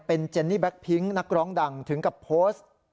เป็นเจนนี่แก๊กพิ้งนักร้องดังถึงกับโพสต์